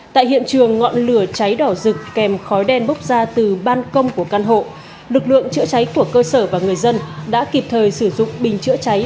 tại hiện trường ngọn lửa cháy đỏ rực kèm khói đen bốc ra từ ban công của căn hộ lực lượng chữa cháy của cơ sở và người dân đã kịp thời sử dụng bình chữa cháy